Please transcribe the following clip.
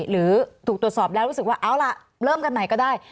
หรือถูกตรวจสอบแล้วรู้สึกว่าเอาล่ะเริ่มกันใหม่ก็ได้